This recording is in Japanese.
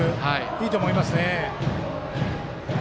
いいと思いますね。